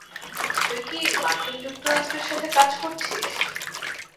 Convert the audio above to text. তুই কী মার্কিন যুক্তরাষ্ট্রের সাথে কাজ করছিস?